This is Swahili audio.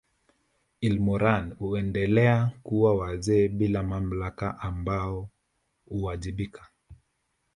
Ilmoran huendelea kuwa wazee bila mamlaka ambao huwajibika